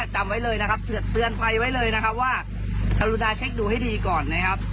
จำไว้เลยนะครับเตือนภัยไว้เลยนะครับว่ากรุณาเช็คดูให้ดีก่อนนะครับ